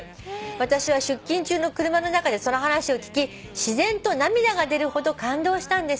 「私は出勤中の車の中でその話を聞き自然と涙が出るほど感動したんです」